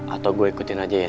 atau gue ikutin aja ya